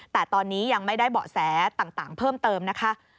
แต่ตอนนี้ยังไม่ได้เบาะแสต่างเพิ่มเติมนะคะ